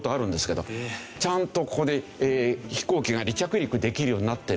ちゃんとここで飛行機が離着陸できるようになってる。